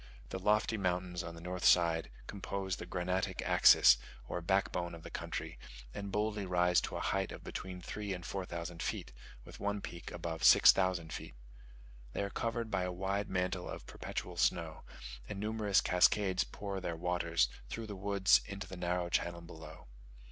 The lofty mountains on the north side compose the granitic axis, or backbone of the country and boldly rise to a height of between three and four thousand feet, with one peak above six thousand feet. They are covered by a wide mantle of perpetual snow, and numerous cascades pour their waters, through the woods, into the narrow channel below.